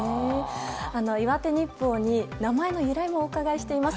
岩手日報に名前の由来もお伺いしています。